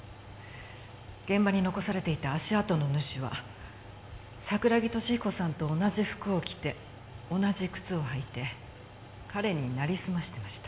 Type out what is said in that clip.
現場に残されていた足跡の主は桜木敏彦さんと同じ服を着て同じ靴を履いて彼になりすましてました。